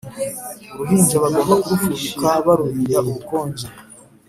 uruhinja bagomba kurufubika barurinda ubukonje